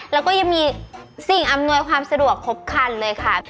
แล้วก็ยังมีสิ่งอำนวยความสะดวกครบคันเลยค่ะ